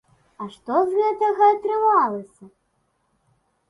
А што з гэтага атрымалася?